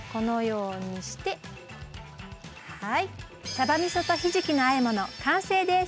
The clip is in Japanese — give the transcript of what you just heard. さば味噌とひじきのあえ物完成です。